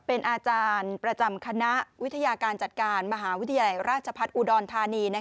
เป็นอาจารย์ประจำคณะวิทยาการจัดการมหาวิทยาลัยราชพัฒน์อุดรธานี